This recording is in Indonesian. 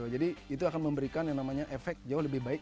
jadi itu akan memberikan yang namanya efek jauh lebih baik